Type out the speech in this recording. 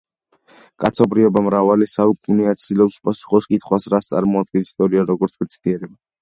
კაცობრიობა მრავალი საუკუნეა ცდილობს უპასუხოს კითხვას, რას წარმოადგენს ისტორია როგორც მეცნიერება.